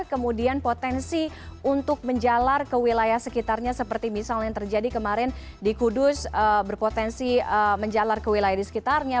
kemudian potensi untuk menjalar ke wilayah sekitarnya seperti misalnya yang terjadi kemarin di kudus berpotensi menjalar ke wilayah di sekitarnya